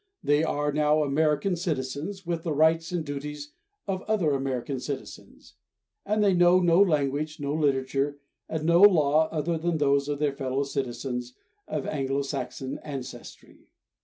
They are now American citizens, with the rights and the duties of other American citizens; and they know no language, no literature and no law other than those of their fellow citizens of Anglo Saxon ancestry.